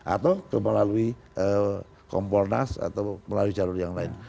atau ke melalui kompornas atau melalui jalur yang lain